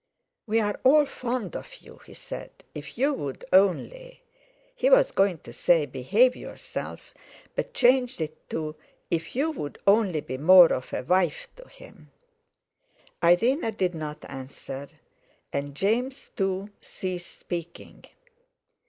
"We're all fond of you," he said, "if you'd only"—he was going to say, "behave yourself," but changed it to—"if you'd only be more of a wife to him." Irene did not answer, and James, too, ceased speaking.